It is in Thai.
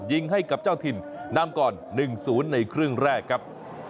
ยิงให้กับเจ้าถิ่นนำก่อน๑๐ในครึ่งแรกครับ